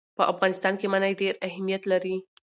په افغانستان کې منی ډېر اهمیت لري.